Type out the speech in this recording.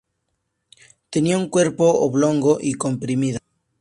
Tenía un cuerpo oblongo y comprimido.